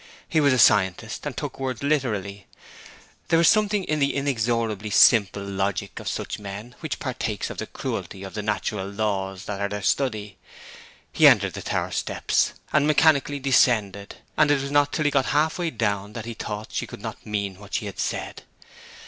He was a scientist, and took words literally. There is something in the inexorably simple logic of such men which partakes of the cruelty of the natural laws that are their study. He entered the tower steps, and mechanically descended; and it was not till he got half way down that he thought she could not mean what she had said.